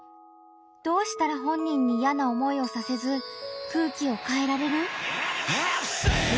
どうしたら本人にいやな思いをさせず空気を変えられる？